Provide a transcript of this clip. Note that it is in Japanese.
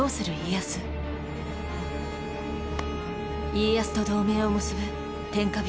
家康と同盟を結ぶ天下人